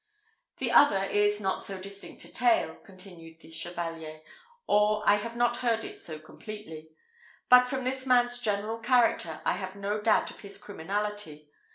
"The other is not so distinct a tale," continued the Chevalier, "or I have not heard it so completely; but from this man's general character, I have no doubt of his criminality.